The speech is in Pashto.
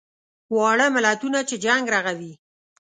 واړه ملتونه چې جنګ رغوي.